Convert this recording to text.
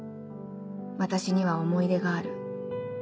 私には思い出がある。